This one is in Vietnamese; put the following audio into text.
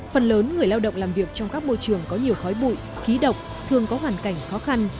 phần lớn người lao động làm việc trong các môi trường có nhiều khói bụi khí độc thường có hoàn cảnh khó khăn